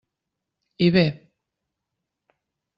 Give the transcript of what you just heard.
I bé?